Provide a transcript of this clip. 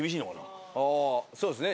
ああそうですね